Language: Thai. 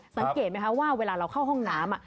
สังเกตไหมคะว่าเวลาเราเข้าห้องน้ำ